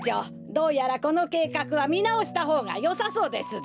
どうやらこのけいかくはみなおしたほうがよさそうですぞ。